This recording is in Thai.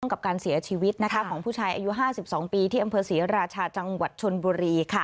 กับการเสียชีวิตของผู้ชายอายุ๕๒ปีที่อำเภอศรีราชาจังหวัดชนบุรี